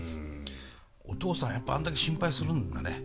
お父さんやっぱあんだけ心配するんだね。